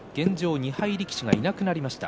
２敗力士がいなくなりました。